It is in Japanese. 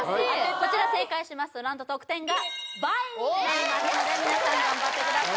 こちら正解しますと何と得点が倍になりますので皆さん頑張ってください